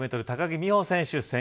高木美帆選手